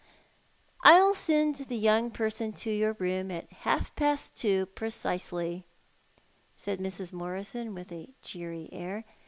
"I'll send the young person to your room at half past two precisely," said Mrs. Morison, with a cheery air.